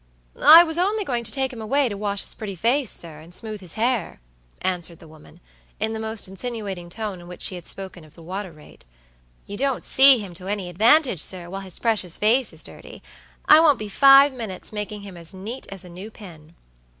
"I was only going to take him away to wash his pretty face, sir, and smooth his hair," answered the woman, in the most insinuating tone in which she had spoken of the water rate. "You don't see him to any advantage, sir, while his precious face is dirty. I won't be five minutes making him as neat as a new pin."